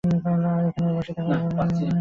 আর এখানে বসে থাকার কোনো মনে হয় না!